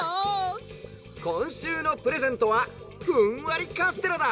「こんしゅうのプレゼントはふんわりカステラだ。